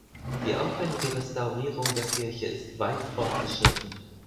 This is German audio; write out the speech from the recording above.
Die aufwendige Restaurierung der Kirche ist weit fortgeschritten.